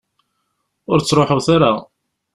Ur ttruḥut ara.